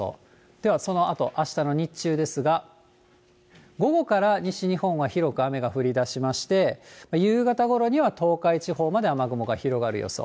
では、そのあと、あしたの日中ですが、午後から西日本は広く雨が降りだしまして、夕方ごろには東海地方まで雨雲が広がる予想。